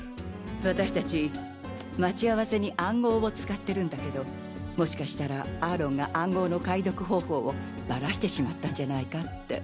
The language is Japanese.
私達待ち合わせに暗号を使ってるんだけどもしかしたらアーロンが暗号の解読方法をバラしてしまったんじゃないかって。